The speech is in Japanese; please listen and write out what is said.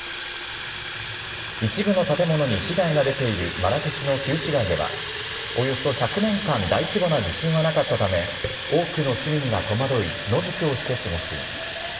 一部の建物に被害が出ているマラケシュの旧市街では、およそ１００年間、大規模な地震はなかったため、多くの市民が戸惑い、野宿をして過ごしています。